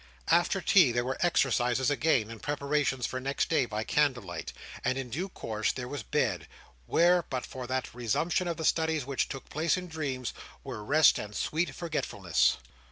After tea there were exercises again, and preparations for next day by candlelight. And in due course there was bed; where, but for that resumption of the studies which took place in dreams, were rest and sweet forgetfulness.